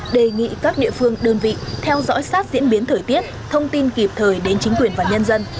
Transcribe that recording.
đề nghị các địa phương đơn vị theo dõi sát diễn biến thời tiết thông tin kịp thời đến chính quyền và nhân dân